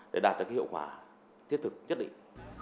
để đạt được cái hiệu quả thiết thực nhất định